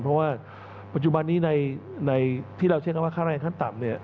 เพราะว่าปัจจุบันนี้ในที่เราใช้คำว่าค่าแรงขั้นต่ำเนี่ย